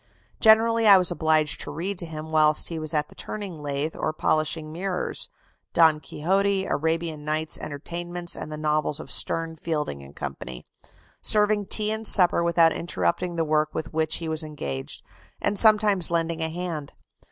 Generally I was obliged to read to him whilst he was at the turning lathe, or polishing mirrors Don Quixote, Arabian Nights' Entertainments, the novels of Sterne, Fielding, &c. serving tea and supper without interrupting the work with which he was engaged, ... and sometimes lending a hand.